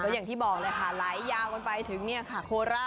อย่างที่บอกเลยค่ะไหลยาวกันไปถึงเนี่ยค่ะโคราช